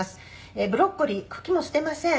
「ブロッコリー茎も捨てません。